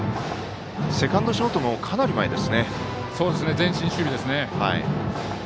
セカンド、ショートもかなり前ですね。